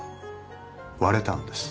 割れたんです。